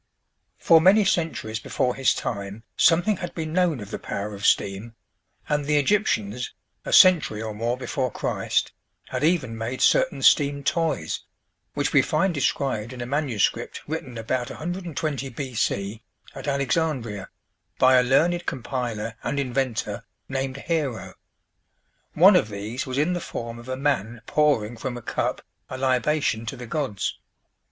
For many centuries before his time something had been known of the power of steam; and the Egyptians, a century or more before Christ, had even made certain steam toys, which we find described in a manuscript written about 120 B. C., at Alexandria, by a learned compiler and inventor named Hero. One of these was in the form of a man pouring from a cup a libation to the gods.